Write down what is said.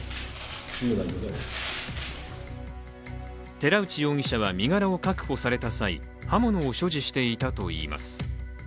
寺内容疑者は身柄を確保された際刃物を所持していたといいます。